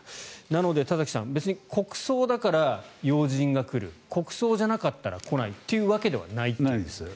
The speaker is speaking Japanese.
なので、田崎さん別に国葬だから要人が来る国葬じゃなかったら来ないというわけではないんですね。